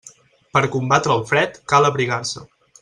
Per combatre el fred, cal abrigar-se.